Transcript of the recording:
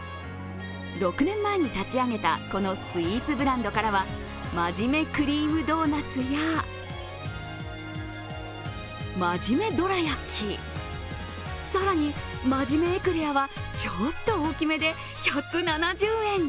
６年前に立ち上げた、このスイーツブランドからは真面目クリームドーナツや真面目どら焼き、更に、真面目エクレアはちょっと大きめで１７０円。